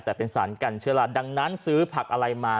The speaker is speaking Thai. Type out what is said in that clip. แต่เป็นสารกันเชื่อล่ะดังนั้นซื้อผักอะไรมา